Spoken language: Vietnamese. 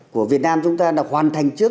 của việt nam chúng ta đã hoàn thành trước